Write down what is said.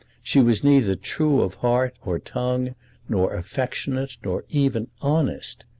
She was neither true of heart or tongue, nor affectionate, nor even honest.